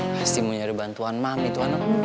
pasti mau nyari bantuan mami tuh anak emak